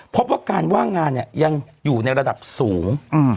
พบว่าการว่างงานเนี่ยยังอยู่ในระดับสูง